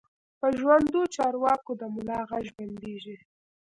په ژوندو چارواکو د ملا غږ بندېږي.